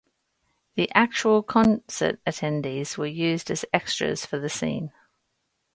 The actual concert attendees were used as extras for the scene.